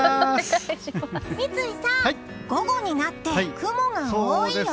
三井さん、午後になって雲が多いよ！